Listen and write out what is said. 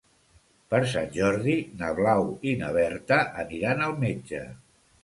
Per Sant Jordi na Blau i na Berta aniran al metge.